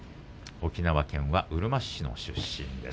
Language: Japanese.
沖縄県は、うるま市の出身です。